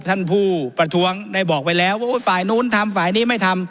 ท่านผู้ประท้วงได้บอกไปแล้วว่าฝ่ายนู้นทำฝ่ายนี้ไม่ทำ